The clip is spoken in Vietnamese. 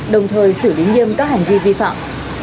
đồng thời xử lý nghiêm các hành vi vi phạm